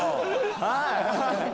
はい。